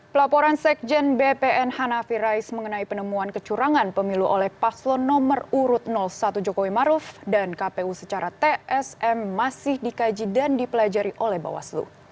pelaporan sekjen bpn hanafi rais mengenai penemuan kecurangan pemilu oleh paslon nomor urut satu jokowi maruf dan kpu secara tsm masih dikaji dan dipelajari oleh bawaslu